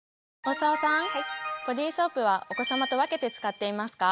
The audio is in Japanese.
ボディソープはお子さまと分けて使っていますか？